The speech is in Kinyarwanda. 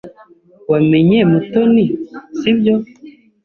Wamenye Mutoni, sibyo?